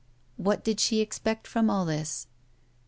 What did she expect from all this?